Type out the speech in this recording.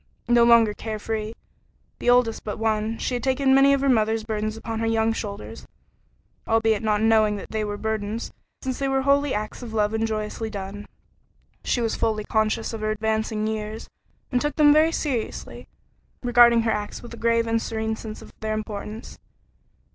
No longer care free, the oldest but one, she had taken many of her mother's burdens upon her young shoulders, albeit not knowing that they were burdens, since they were wholly acts of love and joyously done. She was fully conscious of her advancing years, and took them very seriously, regarding her acts with a grave and serene sense of their importance.